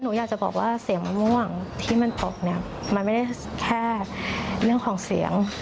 หนูอยากจะบอกว่าเสียงมะม่วงที่มันตกเนี่ยมันไม่ได้แค่เรื่องของเสียง